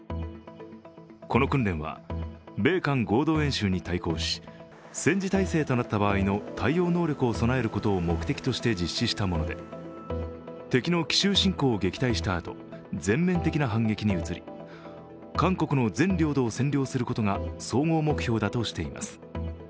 この訓練は、米韓合同演習に対抗し戦時体制となった場合の対応能力を備えることを目的として実施したもので、敵の奇襲侵攻を撃退したあと全面的な反撃に移り、韓国の全領土を占領することが総合目標だとしています。